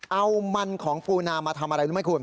เอามันของปูนามาทำอะไรรู้ไหมคุณ